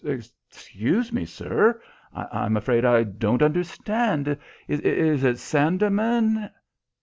"Excuse me, sir. I'm afraid I don't understand. Is it Sandeman